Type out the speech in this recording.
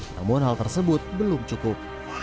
namun hal tersebut belum cukup